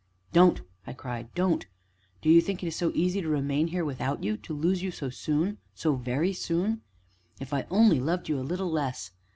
"Don't!" I cried, "don't! Do you think it is so easy to remain here without you to lose you so soon so very soon? If I only loved you a little less!